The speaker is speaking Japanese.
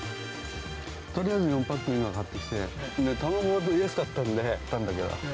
とりあえず４パック今買ってきて、卵安かったんで買ったんだけど。